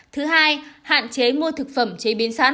thứ hai hạn chế mua thực phẩm chế biến sẵn